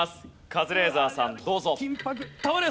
カズレーザーさんどうぞ。